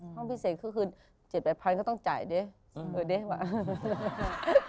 ห้องพิเศษก็คือ๗๘๐๐ก็ต้องจ่ายดิว่ะ